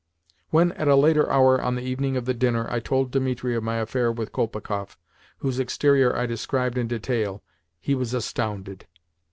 When, at a later hour on the evening of the dinner, I told Dimitri of my affair with Kolpikoff, whose exterior I described in detail, he was astounded.